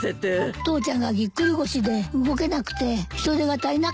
父ちゃんがぎっくり腰で動けなくて人手が足りなかったの。